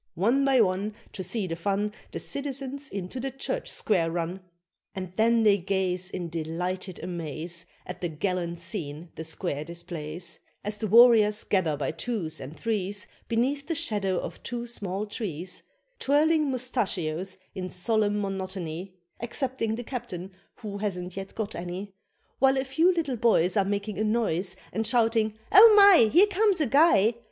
One by one, To see the fun The citizens into the Church square run, And then they gaze In delighted amaze At the gallant scene the square displays, As the warriors gather by twos and threes Beneath the shadow of two small trees, Twirling mustachios in solemn monotony Excepting the captain, who hasn't yet got any, While a few little boys Are making a noise And shouting, "Oh my! Here comes a guy!